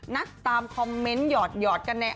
นักตามคอมเม้นต์หยอดกันนะ